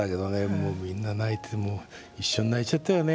もうみんな泣いてて一緒に泣いちゃったよね。